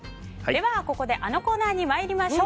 ここであのコーナーに参りましょう。